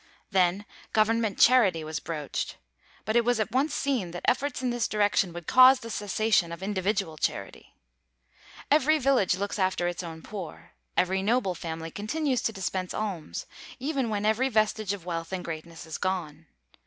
Then government charity was broached; but it was at once seen that efforts in this direction would cause the cessation of individual charity. Every village looks after its own poor; every noble family continues to dispense alms, even when every vestige of wealth and greatness is gone.